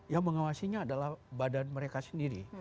yang mengawasinya adalah badan mereka sendiri